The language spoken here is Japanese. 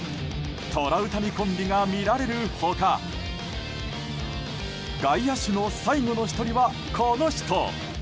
トラウタニコンビが見られる他外野手の最後の１人は、この人。